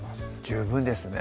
十分ですね